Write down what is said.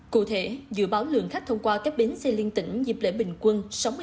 cụ thể dự báo lượng khách thông qua các bến xe liên tỉnh dịp lễ bình quân